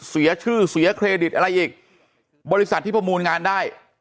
เสียชื่อเสียเครดิตอะไรอีกบริษัทที่ประมูลงานได้